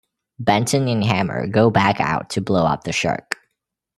Benton and Hammer go back out to blow up the shark.